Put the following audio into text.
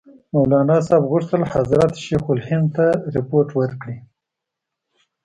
مولناصاحب غوښتل حضرت شیخ الهند ته رپوټ ورکړي.